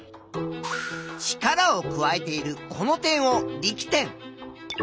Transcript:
力を加えているこの点を「力点」。